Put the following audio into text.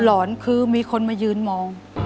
หอนคือมีคนมายืนมอง